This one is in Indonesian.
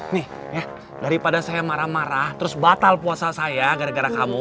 nih daripada saya marah marah terus batal puasa saya gara gara kamu